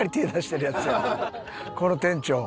この店長。